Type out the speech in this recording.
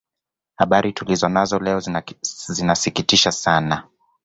habari tulizo nazo leo zinasikitisha sana